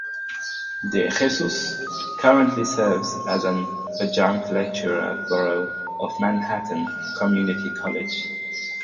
De Jesus currently serves as an adjunct lecturer at Borough of Manhattan Community College.